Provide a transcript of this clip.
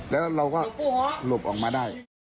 แล้วเราก็หลบออกมาได้